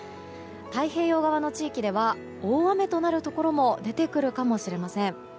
太平洋側の地域では大雨となるところも出てくるかもしれません。